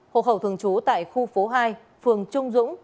hộ khẩu thường trú tại khu phố hai phường trung dũng